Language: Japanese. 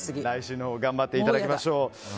来週頑張っていただきましょう。